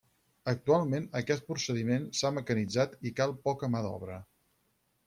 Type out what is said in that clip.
Actualment aquest procediment s'ha mecanitzat i cal poca mà d'obra.